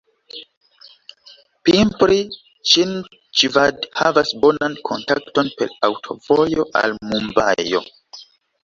Pimpri-Ĉinĉvad havas bonan kontakton per aŭtovojo al Mumbajo.